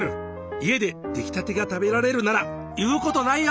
家で出来たてが食べられるなら言うことないよ！